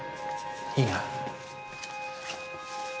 いいな？